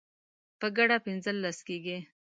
په ګډه پنځلس کیږي